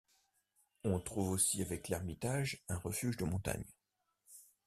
On trouve aussi avec l'ermitage un refuge de montagne.